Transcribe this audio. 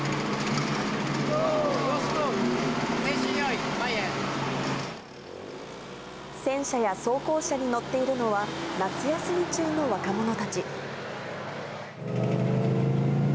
よし行こう、前進用意、戦車や装甲車に乗っているのは、夏休み中の若者たち。